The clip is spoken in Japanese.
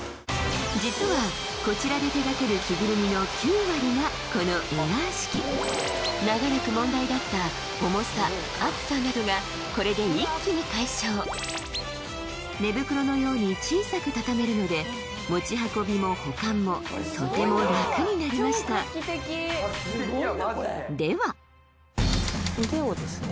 実はこちらで手がける着ぐるみの９割がこのエアー式長らく問題だった重さ暑さなどがこれで一気に解消寝袋のように小さく畳めるので持ち運びも保管もとても楽になりましたでは腕をですね